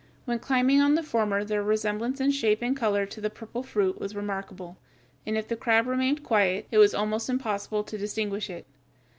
When climbing on the former their resemblance in shape and color to the purple fruit was remarkable, and if the crab remained quiet, it was almost impossible to distinguish it.